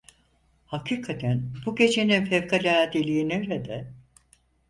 Hakikaten bu gecenin fevkaladeliği nerede?